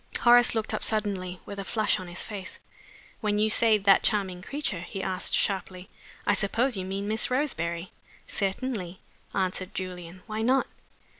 Horace looked up suddenly, with a flush on his face. "When you say 'that charming creature,'" he asked, sharply, "I suppose you mean Miss Roseberry?" "Certainly," answered Julian. "Why not?"